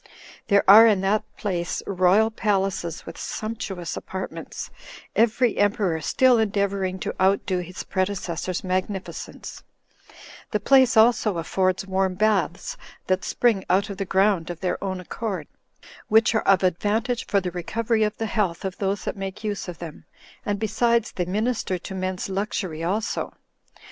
There are in that place royal palaces, with sumptuous apartments, every emperor still endeavoring to outdo his predecessor's magnificence; the place also affords warm baths, that spring out of the ground of their own accord, which are of advantage for the recovery of the health of those that make use of them; and, besides, they minister to men's luxury also.